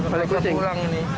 balik balik pulang ini